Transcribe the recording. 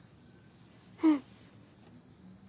うん。